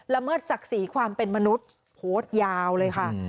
เมิดศักดิ์ศรีความเป็นมนุษย์โพสต์ยาวเลยค่ะ